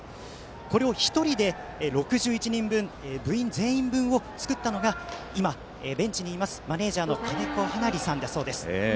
これを１人で６１人分部員全員分を作ったのが今、ベンチにいますマネージャーの金子花理さんだそうです。